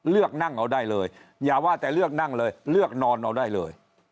เลือกนั่งเอาได้เลยอย่าว่าแต่เลือกนั่งเลยเลือกนอนเอาได้เลย